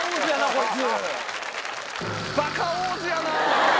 こいつ。